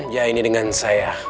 ya ini dengan saya